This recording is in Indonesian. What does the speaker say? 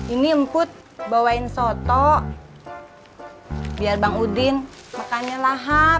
ini emput bawain soto biar bang udin makannya lahap